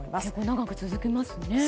長く続きますね。